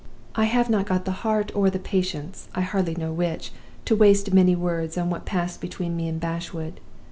"I have not got the heart or the patience I hardly know which to waste many words on what passed between me and Bashwood.